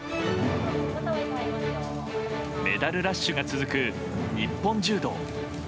メダルラッシュが続く日本柔道。